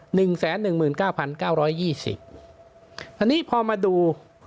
หนึ่งแสนหนึ่งหมื่นเก้าพันเก้าร้อยยี่สิบอันนี้พอมาดู